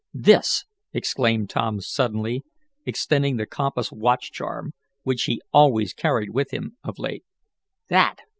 "This!" exclaimed Tom suddenly, extending the compass watch charm, which he always carried with him of late. "That!